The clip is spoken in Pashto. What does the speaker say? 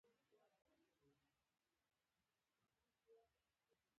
انګریزانو ته یو ځل بیا ثابته شوه.